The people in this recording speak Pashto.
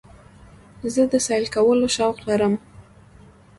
زه د سیل کولو شوق لرم.